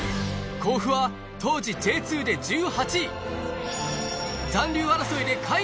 甲府は当時、Ｊ２で１８位。